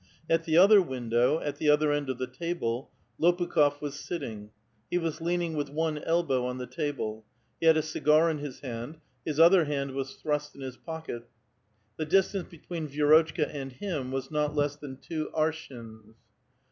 At the other window, at the other end of the table, Lopukh6f was sitting : he was leaning with one elbow on the table ; he had a cigar in his hand ; his other hand was thiust in his pocket ; the distance between Vi^rotchka and Iiim was not less than two anshins (4.